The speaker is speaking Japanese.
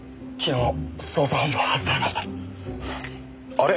あれ？